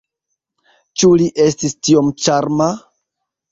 Ĉu li estis tiom ĉarma?